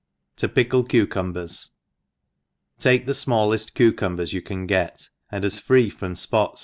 Td fickk Cucumbers, TAKE the fmalleft cucumbers you can get, and as free from fpots.